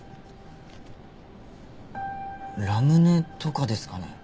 ラムネとかですかね？